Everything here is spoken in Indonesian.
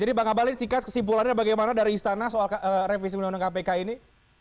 jadi bang abalin sikat kesimpulannya bagaimana dari istana soal revisi menurut kpk ini